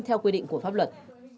theo quy định của pháp luật